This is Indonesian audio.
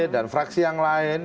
dan fraksi yang lain